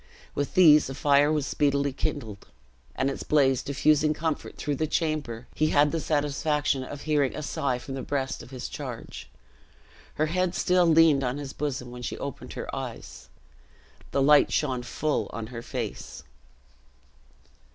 With these a fire was speedily kindled; and its blaze diffusing comfort through the chamber, he had the satisfaction of hearing a sigh from the breast of his charge. Her head still leaned on his bosom when she opened her eyes. The light shone full on her face.